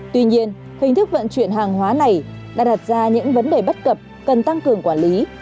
tuy nhiên hình thức vận chuyển hàng hóa này đã đặt ra những vấn đề bất cập cần tăng cường quản lý